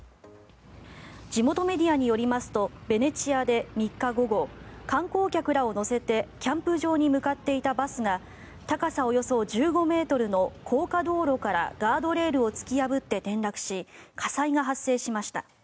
地元メディアによりますとベネチアで３日午後観光客らを乗せてキャンプ場に向かっていたバスが高さおよそ１５ｍの高架道路からガードレールを突き破って転落し火災が発生しました。